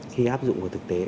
khi áp dụng của thực tế